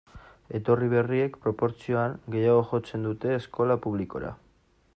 Etorri berriek, proportzioan, gehiago jotzen dute eskola publikora.